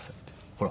ほら。